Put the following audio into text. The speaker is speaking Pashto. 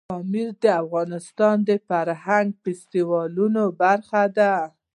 پامیر د افغانستان د فرهنګي فستیوالونو برخه ده.